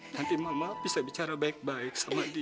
nanti mama bisa bicara baik baik sama dia